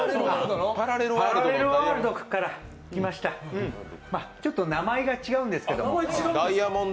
パラレルワールドから来ました、ちょっと名前が違うんですけど。